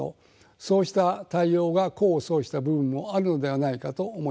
そうした対応が功を奏した部分もあるのではないかと思います。